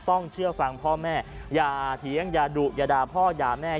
ต้องเชื่อฟังพ่อแม่อย่าเถียงอย่าดุอย่าด่าพ่ออย่าแม่